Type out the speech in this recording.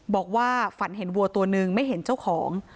บอกว่าฝันเห็นวัวตัวนึงไม่เห็นเจ้าของ